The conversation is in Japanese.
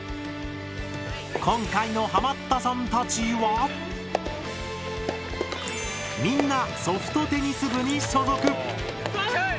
今回のハマったさんたちはみんなソフトテニス部に所属。